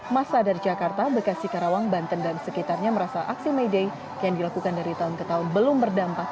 masa dari jakarta bekasi karawang banten dan sekitarnya merasa aksi may day yang dilakukan dari tahun ke tahun belum berdampak